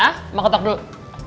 oma ketok dulu